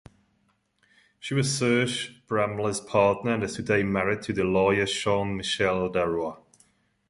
She was Serge Bramly's partner and is today married to the lawyer Jean-Michel Darrois.